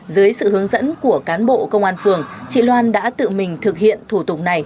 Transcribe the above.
dưới sự hướng dẫn của cán bộ công an phường chị loan đã tự mình thực hiện thủ tục này